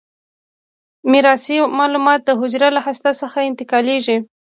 میراثي معلومات د حجره له هسته څخه انتقال کیږي.